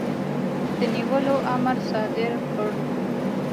د نیولو امر صادر کړ.